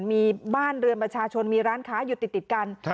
มีบ้านเรือนประชาชนมีร้านค้าอยู่ติดกัน